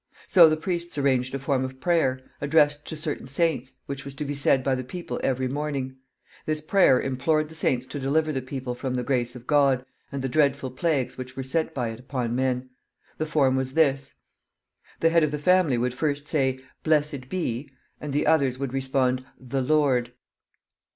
So the priests arranged a form of prayer, addressed to certain saints, which was to be said by the people every morning. This prayer implored the saints to deliver the people from the grace of God, and the dreadful plagues which were sent by it upon men. The form was this:[G] [Footnote G: The form was in Latin. We give here the English of it.] The head of the family would first say, "Blessed be," and the others would respond, "The Lord."